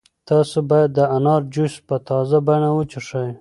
تاسو باید د انار جوس په تازه بڼه وڅښئ.